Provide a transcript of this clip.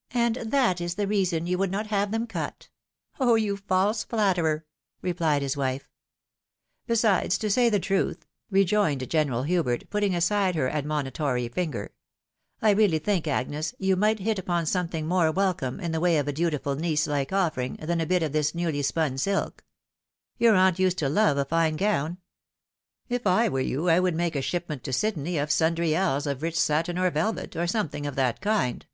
" And that is the reason you would not liave them cut. Oh, you false flatterer !" replied his wife. " Besides, to say the truth," rejoined General Hubert, put ting aside her admonitory finger, " I really tliink, Agnes, you might hit upon something more welcome, in the way of a dutiful niece Kke otfering, than a bit of this newly spun silk. Your aunt used to love a fine gown. If I were you I would make a shipment to Sydney of sundry ells of rich satin or velvet, or something of that kind."